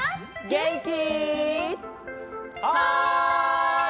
げんき！